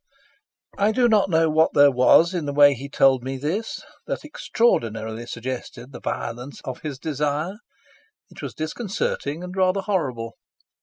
I do not know what there was in the way he told me this that extraordinarily suggested the violence of his desire. It was disconcerting and rather horrible.